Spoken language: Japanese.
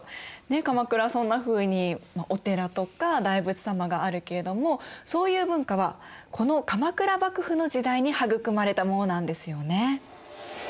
鎌倉はそんなふうにお寺とか大仏様があるけれどもそういう文化はこの鎌倉幕府の時代に育まれたものなんですよね。